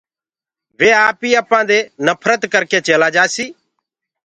وي آپيٚ اپانٚ دي نڦرت ڪرڪي چيلآ جآسيٚ